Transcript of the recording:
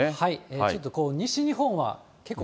ちょっとこう、西日本は結構、